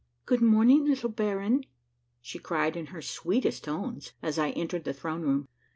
" Good morning, little baron," she cried in her sweetest tones as I entered the throne room.